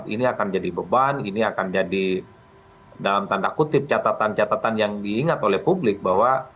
ini akan jadi beban ini akan jadi dalam tanda kutip catatan catatan yang diingat oleh publik bahwa